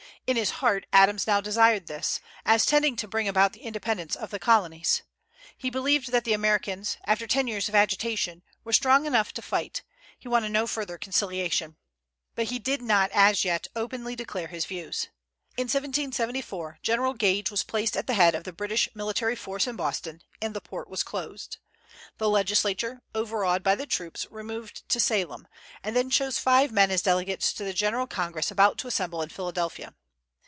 In his heart Adams now desired this, as tending to bring about the independence of the Colonies. He believed that the Americans, after ten years of agitation, were strong enough to fight; he wanted no further conciliation. But he did not as yet openly declare his views. In 1774 General Gage was placed at the head of the British military force in Boston, and the port was closed. The legislature, overawed by the troops, removed to Salem, and then chose five men as delegates to the General Congress about to assemble in Philadelphia.